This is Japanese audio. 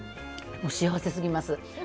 幸せすぎます。